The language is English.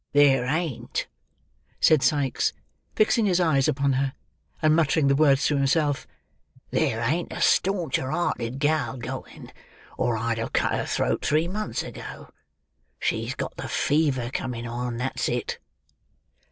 "There ain't," said Sikes, fixing his eyes upon her, and muttering the words to himself; "there ain't a stauncher hearted gal going, or I'd have cut her throat three months ago. She's got the fever coming on; that's it."